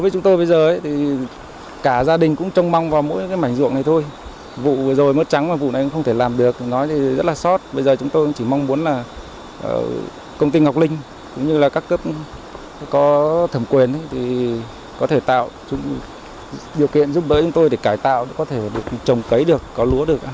công ty ngọc linh cũng như các cấp có thẩm quyền có thể tạo điều kiện giúp đỡ chúng tôi để cải tạo có thể trồng cấy được có lúa được